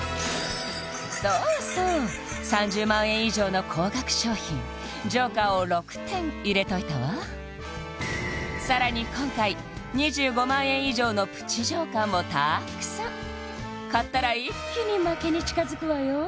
そうそう３０万円以上の高額商品ＪＯＫＥＲを６点入れといたわさらに今回２５万円以上のプチＪＯＫＥＲもたくさん買ったら一気に負けに近づくわよ